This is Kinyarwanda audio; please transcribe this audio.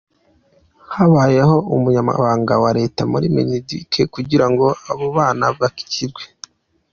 Habaye ah’ Umunyamabanga wa Leta muri Mineduc kugira ngo abo bana bakirwe .